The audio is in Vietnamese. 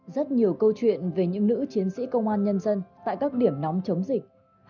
rất nhiều câu chuyện về những nữ chiến sĩ công an nhân dân tại các điểm nóng chống dịch